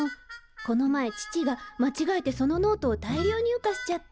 この前父がまちがえてそのノートを大量入荷しちゃって。